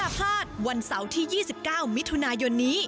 อย่าพลาดวันเสาร์๒๙มิถุนายนนี้